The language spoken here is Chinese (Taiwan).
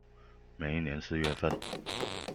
每一年四月份